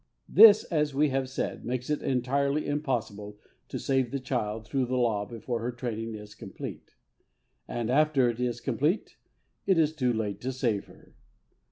This, as we have said, makes it entirely impossible to save the child through the law before her training is complete; and after it is complete it is too late to save her.